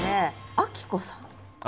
暁子さん。